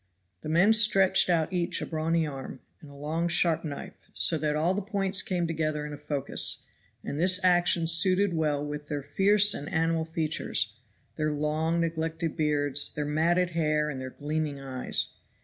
The men stretched out each a brawny arm, and a long sharp knife, so that all the points came together in a focus; and this action suited well with their fierce and animal features, their long neglected beards, their matted hair and their gleaming eyes.